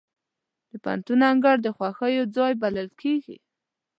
د پوهنتون انګړ د خوښیو ځای بلل کېږي.